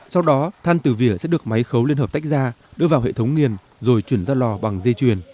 sau đó than từ vỉa sẽ được máy khấu liên hợp tách ra đưa vào hệ thống nghiền rồi chuyển ra lò bằng dây chuyền